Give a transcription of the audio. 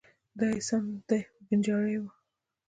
دای یې سم دم بنجارۍ و.